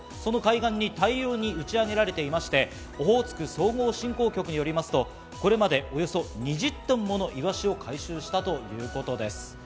その海岸に大量にうちあげられていまして、オホーツク総合振興局によりますと、これまでおよそ２０トンのイワシを回収したということです。